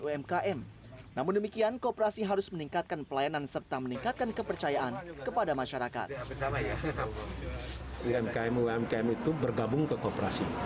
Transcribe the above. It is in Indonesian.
umkm umkm itu bergabung ke kooperasi